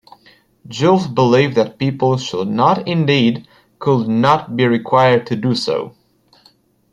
Julf believed that people should not-indeed, could not-be required to do so.